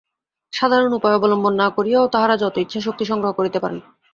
সাধারণ উপায় অবলম্বন না করিয়াও তাঁহারা যত ইচ্ছা শক্তি সংগ্রহ করিতে পারেন।